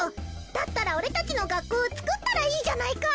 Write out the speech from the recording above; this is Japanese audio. だったら俺たちの学校をつくったらいいじゃないか。